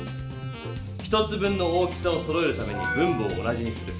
１つ分の大きさをそろえるために分母を同じにする。